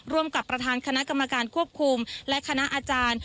ร่วมกับประธานคณะกรรมการควบคุมและคณะอาจารย์